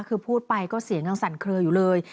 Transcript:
คือพูดไปก็เสียงยังสั่นเคลืออยู่เลย